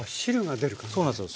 そうなんですよ。